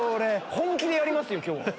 本気でやりますよ今日。